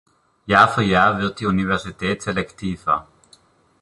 Jahr für Jahr wird die Universität selektiver.